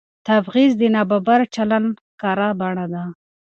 تبعیض د نابرابر چلند ښکاره بڼه ده